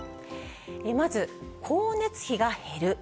まず、光熱費が減る。